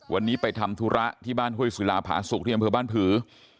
วันนี้ไปทำธุระที่บ้านฮุยสิราผ้าสุกเทียบริบาลผื่